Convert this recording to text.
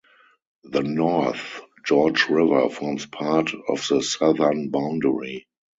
The North George River forms part of the southern boundary.